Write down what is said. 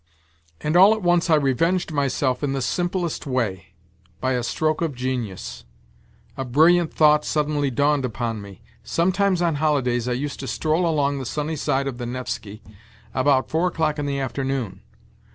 And all at once I revenged myself in the simplest way, by a stroke of genius ! A brilliant thought suddenly dawned upon me. Sometimes on holidays I used to stroll along the sunny side of the Nevsky about four o'clock in the afternoon.